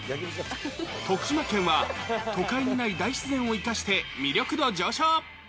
徳島県は都会にない大自然を生かして魅力度上昇。